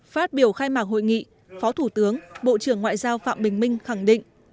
phát biểu khai mạc hội nghị phó thủ tướng bộ trưởng ngoại giao phạm bình minh khẳng định